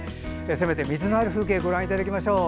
せめて水のある風景ご覧いただきましょう。